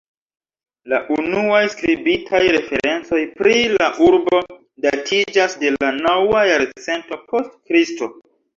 La unuaj skribitaj referencoj pri la urbo datiĝas de la naŭa jarcento post Kristo.